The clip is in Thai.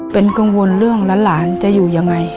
เป็นกังวลเรื่องหลานจะอยู่ยังไง